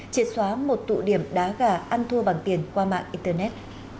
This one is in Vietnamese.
triệt xóa một tụ điểm đá gà ăn thua bằng tiền qua mạng internet